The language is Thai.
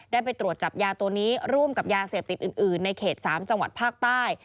ไปตรวจจับยาตัวนี้ร่วมกับยาเสพติดอื่นในเขต๓จังหวัดภาคใต้